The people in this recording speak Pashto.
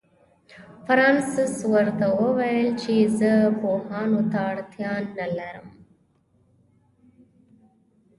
فرانسس ورته وویل چې زه پوهانو ته اړتیا نه لرم.